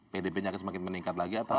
pdb nya akan semakin meningkat lagi